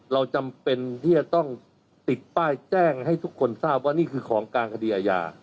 เราจำเป็นที่จะต้องติดป้ายแจ้งให้ทุกคนทราบว่านี่คือของกลางคดีอาญา